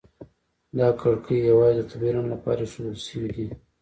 دا کړکۍ یوازې د طبیعي رڼا لپاره ایښودل شوي دي.